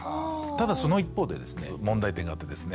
ただその一方でですね問題点があってですね